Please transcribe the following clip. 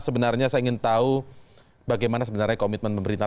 sebenarnya saya ingin tahu bagaimana sebenarnya komitmen pemerintah